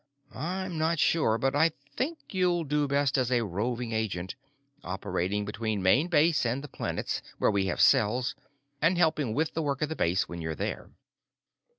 I'm not sure, but I think you'll do best as a roving agent, operating between Main Base and the planets where we have cells, and helping with the work at the base when you're there."